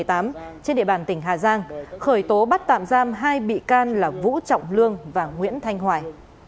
trên địa bàn tỉnh hà giang khởi tố bắt tạm giam hai bị can là vũ trọng lương và nguyễn thanh hoài